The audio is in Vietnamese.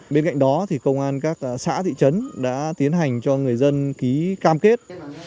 bên cạnh đó công an các xã thị trấn đã tiến hành cho người dân ký cam kết